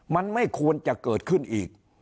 มันไม่ควรจะเกิดขึ้นอีก